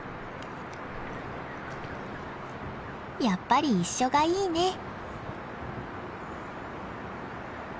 やっぱり一緒がいいね。